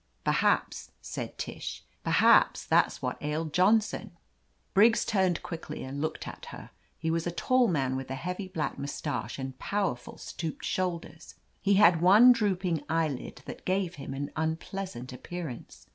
"Perhaps," said Tish, "perhaps that's what ailed Johnson !" Briggs turned quickly and looked at her. He was a tall man, with a heavy black mustache and powerful stooped shoulders. He had one drooping eyelid, that gave him an unpleasant appearance.